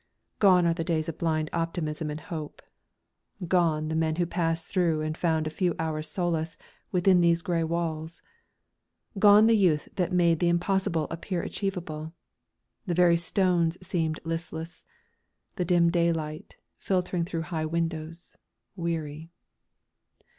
Gone are the days of blind optimism and hope; gone the men who passed through and found a few hours' solace within these grey walls; gone the youth that made the impossible appear achievable. The very stones seemed listless, the dim daylight, filtering through high windows, weary.